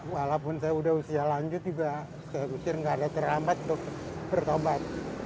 dua ribu delapan walaupun saya sudah usia lanjut juga saya usir nggak ada terlambat untuk bertobat